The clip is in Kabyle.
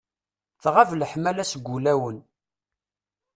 Tɣab leḥmala seg wulawen.